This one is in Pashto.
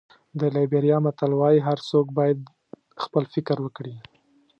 د لېبریا متل وایي هر څوک باید خپل فکر وکړي.